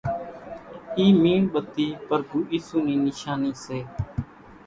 اِي ميڻ ٻتي پرڀو ايسُو نِي نيشاني سي